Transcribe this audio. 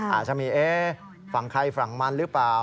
อาจจะมีฝั่งใครฝั่งมันหรือเปล่า